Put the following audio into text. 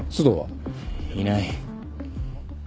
いない。